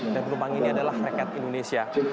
dan berupang ini adalah rekat indonesia